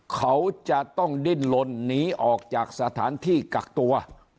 เขาจะต้องดิ้นลนหนีออกจากสถานที่กักตัว